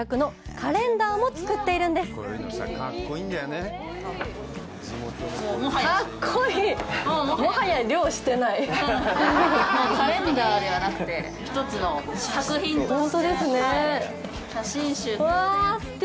カレンダーではなくて一つの作品として。